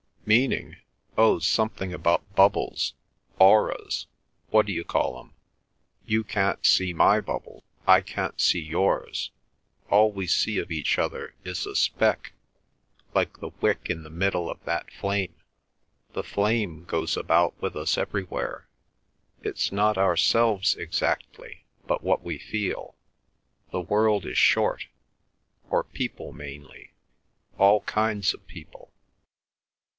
"Meaning? Oh, something about bubbles—auras—what d'you call 'em? You can't see my bubble; I can't see yours; all we see of each other is a speck, like the wick in the middle of that flame. The flame goes about with us everywhere; it's not ourselves exactly, but what we feel; the world is short, or people mainly; all kinds of people."